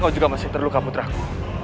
kau juga masih terluka putraku